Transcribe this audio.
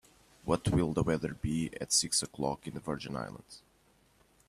What will the weather be at six o'clock in the Virgin Islands?